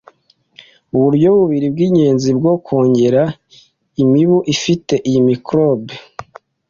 uburyo bubiri bw'ingenzi bwo kongera imibu ifite iyi microbe.